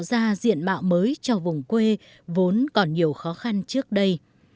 tân trào đã đoàn kết nỗ lực phát triển mạng mới cho vùng quê vốn còn nhiều khó khăn trước đây